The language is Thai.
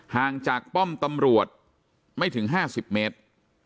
ห่างจากป้อมตำรวจไม่ถึง๕๐เมตร